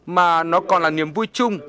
mà nó còn là niềm vui chung